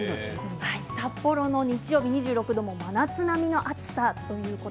札幌の日曜日、２６度真夏並みの暑さです。